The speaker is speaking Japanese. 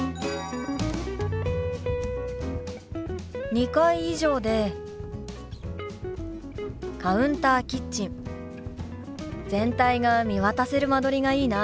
２階以上でカウンターキッチン全体が見渡せる間取りがいいな。